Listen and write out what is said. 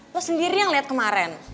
lo sendiri yang liat kemaren